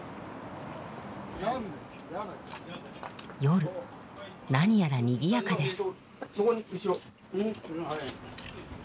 夜何やらにぎやかです。